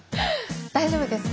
大丈夫です。